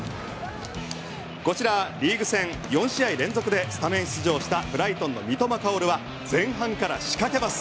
こちら、リーグ戦４試合連続でスタメン出場したブライトンの三笘薫は前半から仕掛けます。